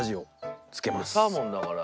サーモンだから。